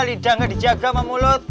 lidah gak dijaga sama mulut